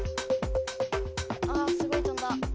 あすごいとんだ。